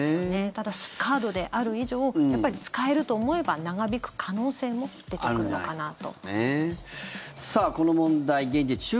ただ、カードである以上使えると思えば長引く可能性も出てくるのかなと。